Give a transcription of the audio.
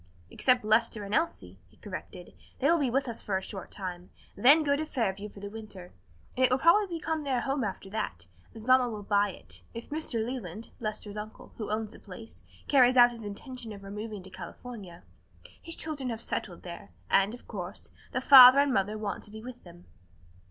"Except Lester and Elsie," he corrected; "they will be with us for a short time, then go to Fairview for the winter. And it will probably become their home after that, as mamma will buy it, if Mr. Leland Lester's uncle, who owns the place carries out his intention of removing to California. His children have settled there, and, of course, the father and mother want to be with them."